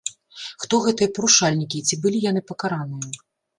Хто гэтыя парушальнікі і ці былі яны пакараныя?